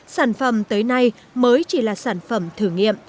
sản phẩm tới nay mới chỉ là sản phẩm thử nghiệm